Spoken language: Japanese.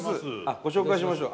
ご紹介しましょう。